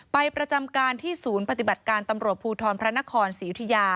ประจำการที่ศูนย์ปฏิบัติการตำรวจภูทรพระนครศรียุธิยา